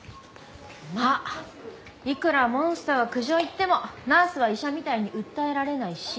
まあいくらモンスターが苦情言ってもナースは医者みたいに訴えられないし。